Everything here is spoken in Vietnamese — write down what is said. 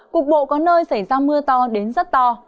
cục bộ có nơi xảy ra mưa to đến rất to